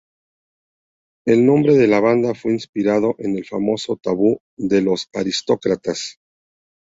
El nombre de la banda fue inspirado en el famoso tabú de "Los Aristócratas".